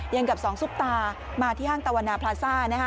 เย็นกับสองสุปตามาที่ห้างตาวนาพลาซ่านะฮะ